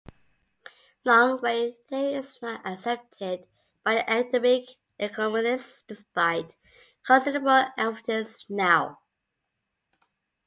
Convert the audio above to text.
Long wave theory is not accepted by many academic economists despite considerable evidence now.